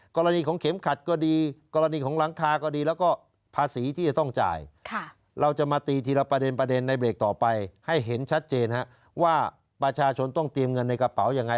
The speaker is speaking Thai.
กรณีของเข็มขัดก็ดีกรณีของหลังคาก็ดีแล้วก็ภาษีที่จะต้องจ่ายเราจะมาตีทีละประเด็นประเด็นในเบรกต่อไปให้เห็นชัดเจนว่าประชาชนต้องเตรียมเงินในกระเป๋ายังไง